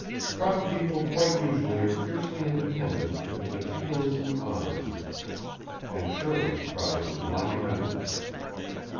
Proud people quite usually are fiercely independent and meticulously honest and Shirley's pride was monumental.